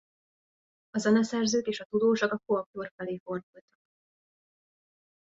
A zeneszerzők és tudósok a folklór felé fordultak.